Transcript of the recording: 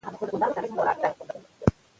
زمرد د افغان ځوانانو لپاره دلچسپي لري.